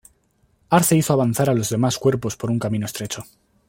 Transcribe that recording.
Arce hizo avanzar a los demás cuerpos por un camino estrecho.